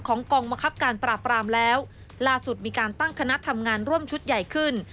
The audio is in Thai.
กองบังคับการปราบรามแล้วล่าสุดมีการตั้งคณะทำงานร่วมชุดใหญ่ขึ้น